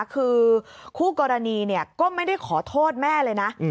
คือคู่กรณีก็ไม่ได้ขอโทษแม่เลยนะ